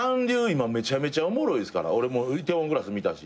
今めちゃめちゃおもろいですから俺『梨泰院クラス』見たし